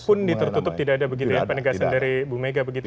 pun ditertutup tidak ada begitu ya pak negasen dari bu mega begitu ya